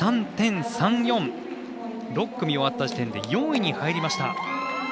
６組終わった時点で４位に入りました。